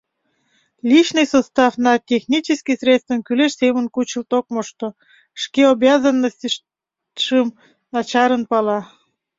Личный составна технический средствым кӱлеш семын кучылт ок мошто, шке обязанностьшым начарын пала.